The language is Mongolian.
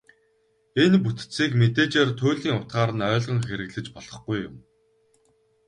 Энэ бүтцийг мэдээжээр туйлын утгаар нь ойлгон хэрэглэж болохгүй юм.